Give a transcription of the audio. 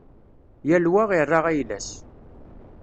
Yal wa ira ayla-s